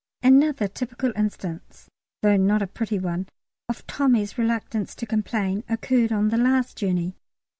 Another typical instance (though not a pretty one) of Tommy's reluctance to complain occurred on the last journey.